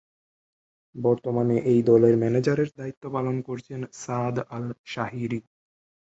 বর্তমানে এই দলের ম্যানেজারের দায়িত্ব পালন করছেন সাদ আল শাহিরি।